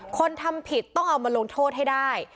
คนทำผิดต้องเอามาลงโทษให้ได้